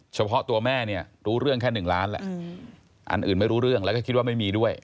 เฉพาะตัวแม่เนี่ยรู้เรื่องแค่๑ล้านแหละอันอื่นไม่รู้เรื่องแล้วก็คิดว่าไม่มีด้วย